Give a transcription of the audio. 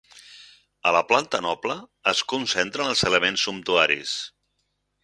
A la planta noble es concentren els elements sumptuaris.